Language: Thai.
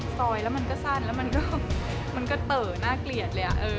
ซอยแล้วมันก็สั้นแล้วมันก็เต๋อน่าเกลียดเลย